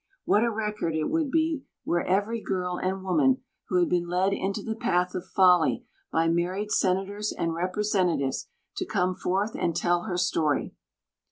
What a record it would be were every girl and woman who had been led into the path of folly by married Senators and Representatives to come forth and tell her story!